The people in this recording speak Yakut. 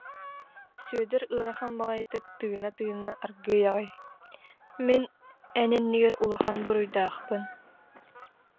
Сүідэр ыарахан баҕайытык тыына-тыына аргыый аҕай: «Мин эн иннигэр улахан буруйдаахпын